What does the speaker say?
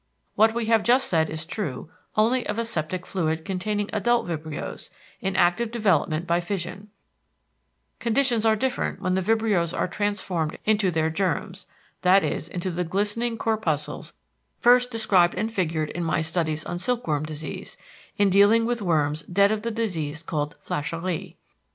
What we have just said is true only of a septic fluid containing adult vibrios, in active development by fission: conditions are different when the vibrios are transformed into their germs, that is into the glistening corpuscles first described and figured in my studies on silk worm disease, in dealing with worms dead of the disease called "flachérie."